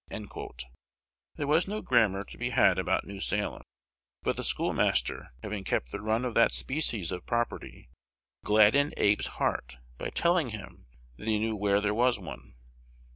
There was no grammar to be had about New Salem; but the schoolmaster, having kept the run of that species of property, gladdened Abe's heart by telling him that he knew where there was one.